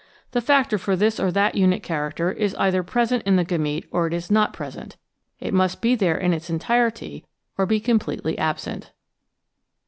The factor for this or that unit character is either present in the gamete or it is not present. It must be there in its entirety or be completely absent."